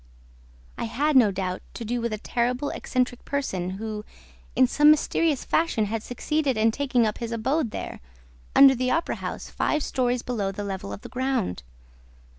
I had, no doubt, to do with a terrible, eccentric person, who, in some mysterious fashion, had succeeded in taking up his abode there, under the Opera house, five stories below the level of the ground.